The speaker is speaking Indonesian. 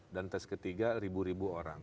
dan tes ketiga ribu ribu orang